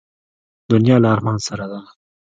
دنیا له ارمان سره ده.